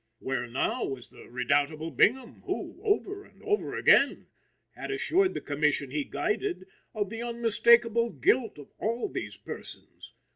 Where now was the redoubtable Bingham who, over and over again, had assured the Commission he guided of the unmistakable guilt of all these persons?